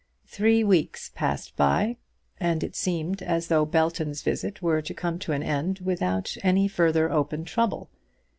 Three weeks passed by, and it seemed as though Belton's visit were to come to an end without any further open trouble.